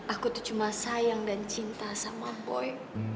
aku tuh cuma sayang dan cinta sama boy